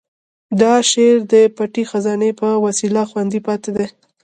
دا شعر د پټې خزانې په وسیله خوندي پاتې دی.